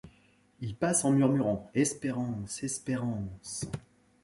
Il passe en murmurant Espérance ! espérance !